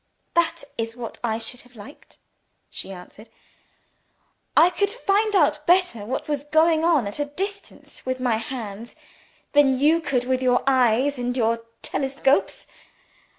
That is what I should have liked!" she answered. "I could find out better what was going on at a distance with my hands, than you could with your eyes and your telescopes.